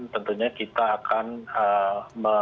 tentunya kita akan mempelajari